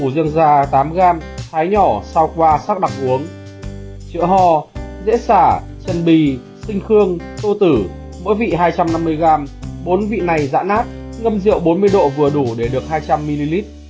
dễ sả chân bì sinh khương tô tử mỗi vị hai trăm năm mươi g bốn vị này dã nát ngâm rượu bốn mươi độ vừa đủ để được hai trăm linh ml